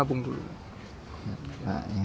itu adalah usaha kalian